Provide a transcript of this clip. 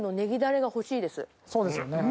そうですよね